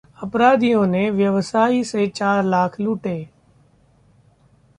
अपराधियों ने व्यवसायी से चार लाख लूटे